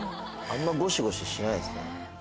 あんまゴシゴシしないですね。